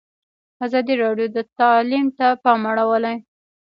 ازادي راډیو د تعلیم ته پام اړولی.